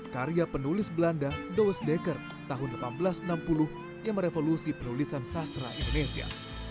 karya penulis belanda dost decker tahun seribu delapan ratus enam puluh yang merevolusi penulisan sastra indonesia